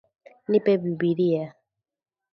Nipe bibilia